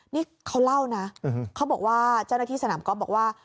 นี่เขาเล่านะเขาบอกว่าเจ้าหน้าที่สนามก๊อฟบอกว่า